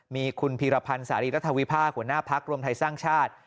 มีคุณพีรพันธ์สารีรัฐวิพากษหัวหน้าพักรวมไทยสร้างชาติ